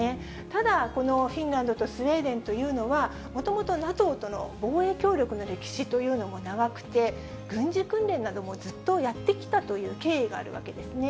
ただ、このフィンランドとスウェーデンというのは、もともとＮＡＴＯとの防衛協力の歴史というのも長くて、軍事訓練などもずっとやってきたという経緯があるわけですね。